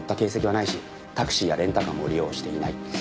タクシーやレンタカーも利用していない。